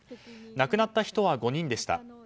亡くなった人は５人でした。